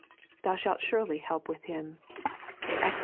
Thou ehalt surely help with him " (Exod.